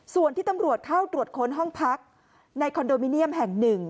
ส่วนที่ตำรวจเข้าตรวจค้นห้องพักในคอนโดมิเนียมแห่ง๑